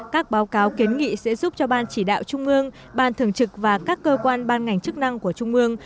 các báo cáo kiến nghị sẽ giúp cho ban chỉ đạo trung ương ban thường trực và các cơ quan ban ngành chức năng của trung ương